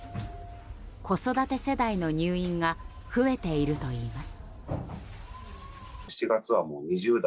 子育て世代の入院が増えているといいます。